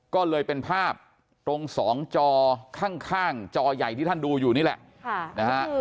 ก็เลยเป็นภาพตรงสองจอข้างจอใหญ่ที่ท่านดูอยู่นี่แหละ